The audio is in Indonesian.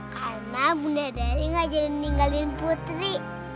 karena bunda dari tidak jadi ninggalin putri